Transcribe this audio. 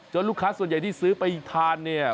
ลูกค้าส่วนใหญ่ที่ซื้อไปทานเนี่ย